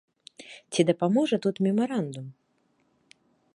Ці дапаможа тут мемарандум?